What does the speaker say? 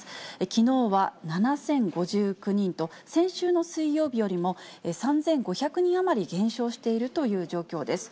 きのうは７０５９人と、先週の水曜日よりも３５００人余り減少しているという状況です。